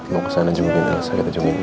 mau kesana juga bisa kita jemputin dulu ya